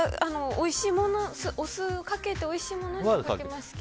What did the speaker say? お酢をかけておいしいものにはかけますけど。